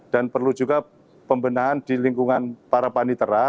dan perlu juga pembenahan di lingkungan para panitera